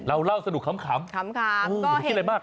เล่าสนุกขำคิดอะไรมากชาม